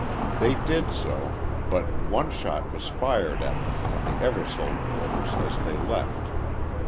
They did so, but one shot was fired at them from the Eversole quarters as they left.